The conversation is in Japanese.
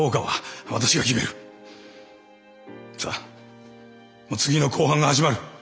さあもう次の公判が始まる。